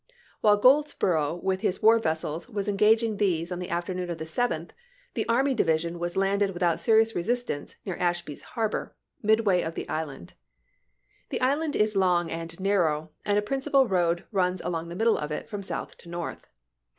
While Goldsborough with his war vessels was engaging these on the afternoon of the 7th, the army division was landed without seri ous resistance near Ashby's harbor, midway of the island. The island is long and narrow and a prin cipal road runs along the middle of it from south to north.